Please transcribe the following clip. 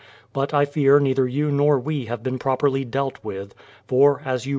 ... But I fear neither you nor we have been properly dealt with ; for, as you v.